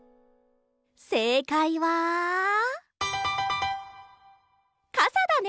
せいかいはかさだね！